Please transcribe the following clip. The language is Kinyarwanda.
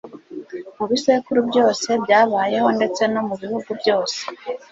mu bisekuru byose byabayeho ndetse no mu bihugu byose